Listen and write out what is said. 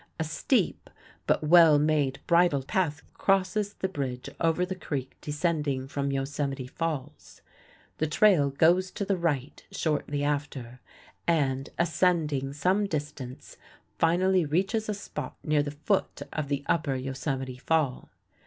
A steep but well made bridle path crosses the bridge over the creek descending from Yosemite Falls. The trail goes to the right shortly after, and, ascending some distance, finally reaches a spot near the foot of the Upper Yosemite Fall.